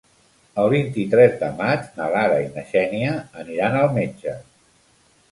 El vint-i-tres de maig na Lara i na Xènia aniran al metge.